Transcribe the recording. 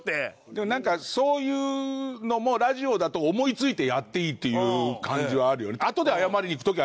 でもなんかそういうのもラジオだと思いついてやっていいっていう感じはあるよね。